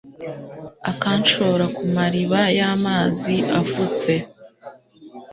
akanshora ku mariba y'amazi afutse